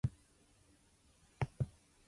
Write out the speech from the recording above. The flight call is a sharp metallic "pip".